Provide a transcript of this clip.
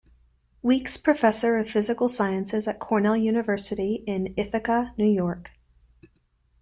Weeks Professor of Physical Sciences at Cornell University in Ithaca, New York.